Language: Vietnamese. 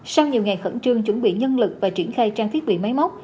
sau nhiều ngày khẩn trương chuẩn bị nhân lực và triển khai trang thiết bị máy móc